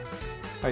はい。